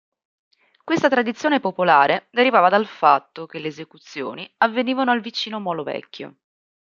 Questa tradizione popolare derivava dal fatto che le esecuzioni avvenivano al vicino Molo Vecchio.